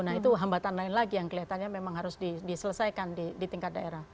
nah itu hambatan lain lagi yang kelihatannya memang harus diselesaikan di tingkat daerah